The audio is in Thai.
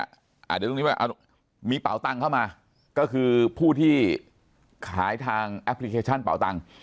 เดี๋ยวตรงนี้มีเป่าตังค์เข้ามาก็คือผู้ที่ขายทางแอปพลิเคชันเป่าตังค์